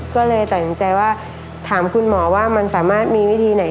ก็เลยตัดสินใจว่าถามคุณหมอว่ามันสามารถมีวิธีไหน